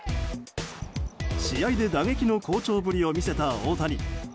試合で打撃の好調ぶりを見せた大谷。